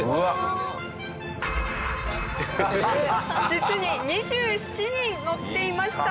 実に２７人乗っていました。